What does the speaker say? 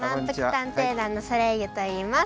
探偵団のソレイユといいます。